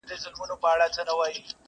دا به څوک وي چي بلبل بولي ښاغلی!